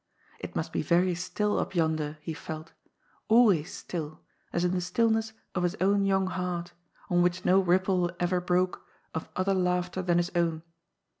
It must be yery still up yonder, he felt, always still, as in the stillness of his own young heart, on which no ripple eyer broke of other laughter than his own.